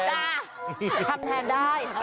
คนที่ไม่ใช่แฟน